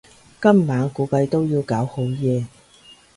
今晚估計都要搞好夜